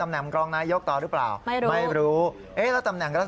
แต่น้องบ้าเวลาเราไม่รู้